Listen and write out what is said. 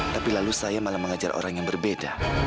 tapi lalu saya malah mengajar orang yang berbeda